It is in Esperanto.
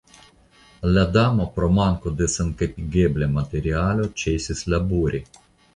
La Damo pro manko da senkapigebla materialo ĉesis labori.